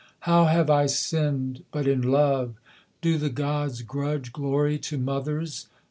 How have I sinned, but in love? Do the gods grudge glory to mothers?